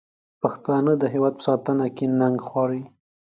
پښتانه د هېواد په ساتنه کې ننګ خوري.